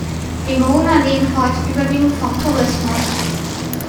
Die Bewohner leben heute überwiegend vom Tourismus.